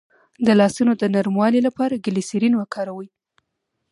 د لاسونو د نرموالي لپاره ګلسرین وکاروئ